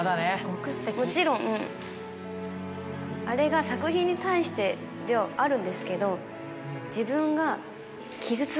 もちろんあれが作品に対してではあるんですけど。